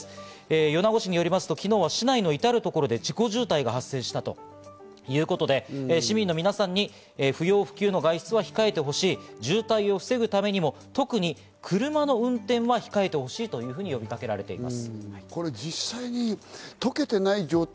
米子市によりますと、昨日は市内の至る所で事故渋滞が発生したということで、市民の皆さんに不要不急の外出は控えてほしい、渋滞を防ぐためにも、特に車の運転は控えてほしいと呼びかけられています。